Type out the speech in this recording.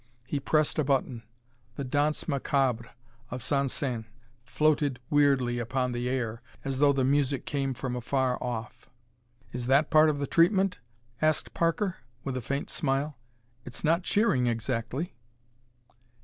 He pressed a button. The Danse Macabre of Saint Saens floated weirdly upon the air, as though the music came from afar off. "Is that part of the treatment?" asked Parker, with a faint smile. "It's not cheering, exactly."